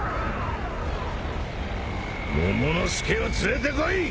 モモの助を連れてこい！